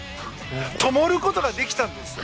ともることができたんですよ。